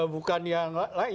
bukan yang lain